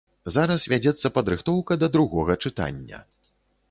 Зараз вядзецца падрыхтоўка да другога чытання.